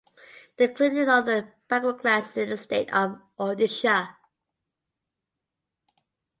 They are included in the Other Backward Classes in the state of Odisha.